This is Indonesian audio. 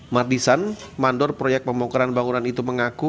martisan mandor proyek pemongkaran bangunan itu mengaku